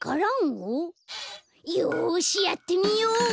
よしやってみよう！